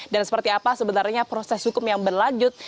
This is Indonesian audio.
dan seperti apa sebenarnya proses hukum yang berlanjut